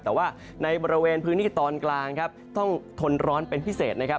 แต่ว่าในบริเวณพื้นที่ตอนกลางครับต้องทนร้อนเป็นพิเศษนะครับ